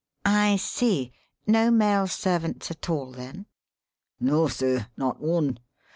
"I see, no male servants at all, then?" "No, sir; not one.